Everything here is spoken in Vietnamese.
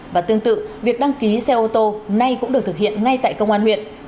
và tương tự việc đăng ký xe ô tô nay cũng được thực hiện ngay tại công an huyện